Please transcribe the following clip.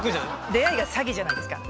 「出会い」が「詐欺」じゃないですか。